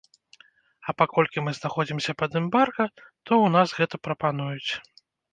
А паколькі мы знаходзімся пад эмбарга, то у нас гэта прапануюць.